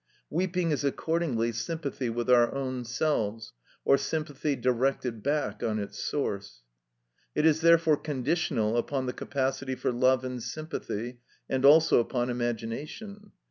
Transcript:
Weeping is accordingly sympathy with our own selves, or sympathy directed back on its source. It is therefore conditional upon the capacity for love and sympathy, and also upon imagination.